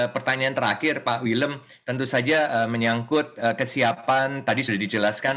pertanyaan terakhir pak willem tentu saja menyangkut kesiapan tadi sudah dijelaskan